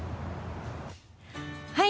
はい。